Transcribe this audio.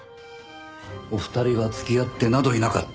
お二人は付き合ってなどいなかった。